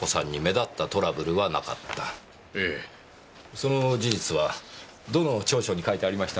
その事実はどの調書に書いてありました？